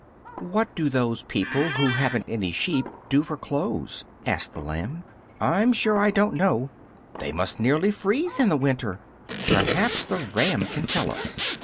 "What do those people who haven't any sheep do for clothes?" asked the lamb. "I'm sure I don't know. They must nearly freeze in the winter. Perhaps the ram can tell us."